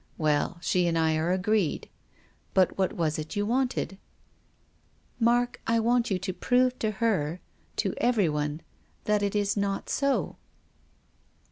Well, she and I arc agreed. But what was it you wanted ?"" Mark, I want you to prove to her — to every one — that it is not so."